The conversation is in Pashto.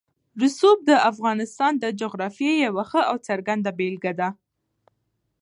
رسوب د افغانستان د جغرافیې یوه ښه او څرګنده بېلګه ده.